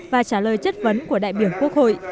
và trả lời chất vấn của đại biểu quốc hội